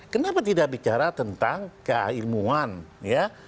kenapa tidak bicara tentang keilmuan ya